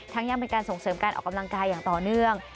ยังเป็นการส่งเสริมการออกกำลังกายอย่างต่อเนื่อง